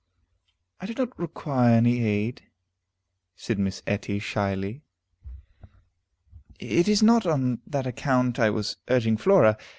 "I do not require any aid," said Miss Etty shyly. "It is not on that account I was urging Flora.